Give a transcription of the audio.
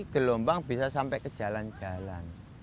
gelombang bisa sampai ke jalan jalan